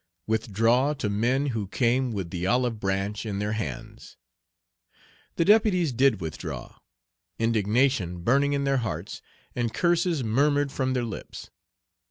"Withdraw" to men who came with the olive branch in their hands! The deputies did withdraw, indignation burning in their hearts, and curses murmured from their lips.